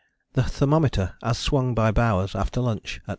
The thermometer as swung by Bowers after lunch at 5.